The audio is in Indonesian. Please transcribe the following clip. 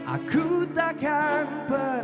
aku takkan pergi